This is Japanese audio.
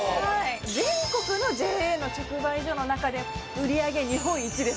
全国のＪＡの直売所の中で売り上げ日本一です。